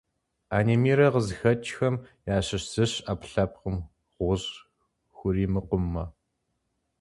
Анемиер къызыхэкӏхэм ящыщ зыщ ӏэпкълъэпкъым гъущӏ хуримыкъумэ.